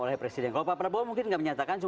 oleh presiden kalau pak prabowo mungkin nggak menyatakan